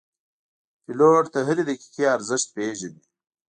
پیلوټ د هرې دقیقې ارزښت پېژني.